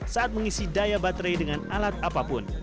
saat mengisi daya baterai dengan alat apapun